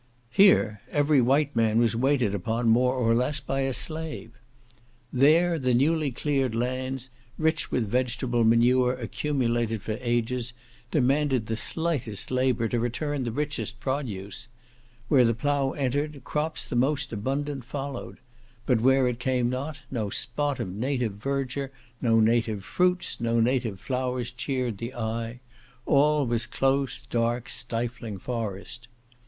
Here every white man was waited upon, more or less, by a slave. There, the newly cleared lands, rich with the vegetable manure accumulated for ages, demanded the slightest labour to return the richest produce; where the plough entered, crops the most abundant followed; but where it came not, no spot of native verdure, no native fruits, no native flowers cheered the eye; all was close, dark, stifling forest.